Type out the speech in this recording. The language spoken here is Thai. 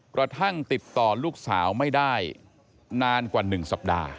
กระทั่งติดต่อลูกสาวไม่ได้นานกว่า๑สัปดาห์